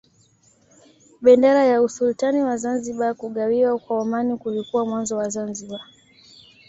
Bendera ya Usultani wa Zanzibar Kugawiwa kwa Omani kulikuwa mwanzo wa Zanzibar